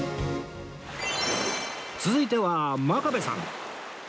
続いては真壁さん